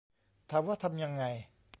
ถามว่าทำยังไง